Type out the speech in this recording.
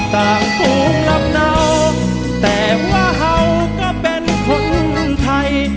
ต่างภูมิลำเนาแต่ว่าเขาก็เป็นคนไทย